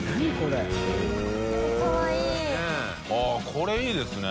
これいいですね。